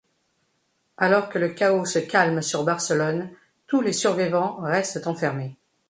Alors que le chaos se calme sur Barcelone, tous les survivants restent enfermés.